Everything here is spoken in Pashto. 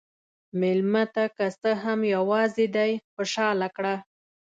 مېلمه ته که څه هم یواځې دی، خوشحال کړه.